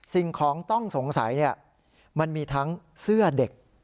สิ่งของต้องสงสัยมันมีทั้งเสื้อเด็ก